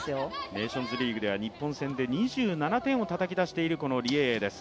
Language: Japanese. ネーションズリーグでは日本戦で２７点をたたき出しているリ・エイエイです。